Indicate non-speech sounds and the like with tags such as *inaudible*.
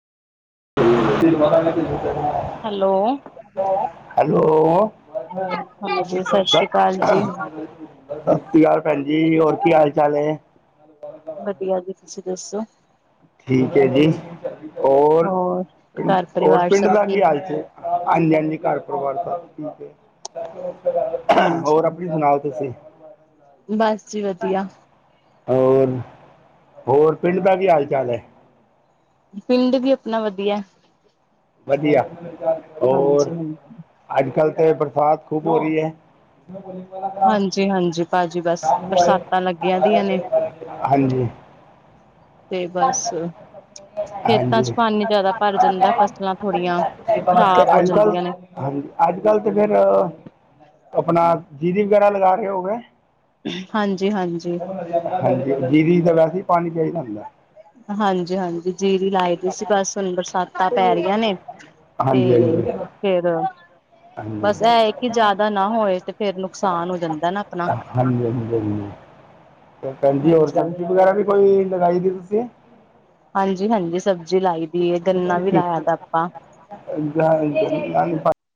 *unintelligible* Hello. Hello. ਸਤਿ ਹਾਂਜੀ ਸਤਿ ਸ੍ਰੀ ਅਕਾਲ ਜੀ। ਸ੍ਰੀ ਅਕਾਲ ਭੈਣ ਜੀ, ਹੋਰ ਕੀ ਹਾਲ? ਚਾਲ ਨੇ? *unintelligible* ਵਧੀਆ ਜੀ, ਤੁਸੀਂ ਦੱਸੋ? ਠੀਕ ਹੈ ਜੀ ਹੋਰ, ਘਰ ਹੋਰ ਪਰਿਵਾਰ ਪਿੰਡ ਸਭ ਦਾ ਕੀ ਠੀਕ? ਹਾਲ ਜੀ? ਹਾਂਜੀ ਹਾਂਜੀ, ਘਰ ਪਰਿਵਾਰ ਸਭ‌ ਠੀਕ ਏ। ਹਾਂਜੀ। ਹੋਰ ਆਪਣੀ ਸੁਣਾਓ ਤੁਸੀ? ਬਸ ਜੀ ਵਧੀਆ। ਹੋਰ, ਹੋਰ ਪਿੰਡ ਦਾ ਕੀ ਹਾਲ ਚਾਲ ਹੈ? ਪਿੰਡ ਵੀ ਆਪਣਾ ਵਧੀਆ। ਵਧੀਆ, ਹੋਰ, ਹਾਂਜੀ ਹਾਂਜੀ, ਅੱਜ-ਕੱਲ੍ਹ ਤੇ ਬਰਸਾਤ ਖੂਬ ਹੋ ਰਹੀ ਹੈ। ਹਾਂਜੀ ਹਾਂਜੀ ਭਾਜੀ ਬਸ ਬਰਸਾਤਾਂ ਲੱਗੀਆਂ ਦੀਆਂ ਨੇ ਹਾਂਜੀ। *unintelligible* ਤੇ ਬਸ। ਖੇਤਾਂ ਹਾਂਜੀ ਚ ਪਾਣੀ ਜਿਆਦਾ ਭਰ ਜਾਂਦਾ, ਫਸਲਾਂ ਥੋੜੀਆਂ ਤੇ ਖ਼ਰਾਬ ਹੋ ਅੱਜ ਕੱਲ ਜਾਂਦੀਆਂ ਨੇ। ਹਾਂਜੀ, ਅੱਜ-ਕੱਲ੍ਹ ਤੇ ਫੇਰ, ਆਪਣਾ ਜੀਰੀ ਵਗੈਰਾ ਲਗਾ ਰਹੇ ਹੋ ਗੇ। ਹਾਂਜੀ- ਹਾਂਜੀ। ਹਾਂਜੀ, ਜੀਰੀ ਦਾ ਵੈਸੇ ਹੀ ਪਾਣੀ ਚਾਹੀਦਾ ਹੁੰਦਾ। ਹਾਂਜੀ- ਹਾਂਜੀ, ਜੀਰੀ ਲਾਈ। ਸੀ ਬਸ ਹੁਣ ਬਰਸਾਤਾਂ ਪੈ ਰਹੀਆਂ ਨੇ, ਹਾਂਜੀ ਹਾਂਜੀ ਤੇ ਹਾਂਜੀ ਫਿਰ ਹਾਂਜੀ ਬਸ ਇਹ ਹੈ ਕਿ ਜ਼ਿਆਦਾ ਨਾ ਹੋਏ, ਤੇ ਫਿਰ ਨੁਕਸਾਨ ਹੋ ਜਾਂਦਾ ਨਾ ਆਪਣਾ। ਹਾਂਜੀ- ਹਾਂਜੀ, ਹੋਰ ਸਬਜ਼ੀ ਵਗੈਰਾ ਵੀ ਕੋਈ ਲਗਾਈ ਦੀ ਤੁਸੀਂ? ਹਾਂਜੀ- ਹਾਂਜੀ, ਸਬਜ਼ੀ ਲਾਈ ਦੀ ਹੈ, ਗੰਨਾ ਵੀ ਠੀਕ ਲਾਇਆ ਦਾ ਆਪਾਂ। *unintelligible*